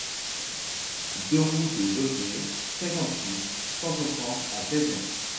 deux route de Jaugenay, cinquante-huit, cent soixante à Chevenon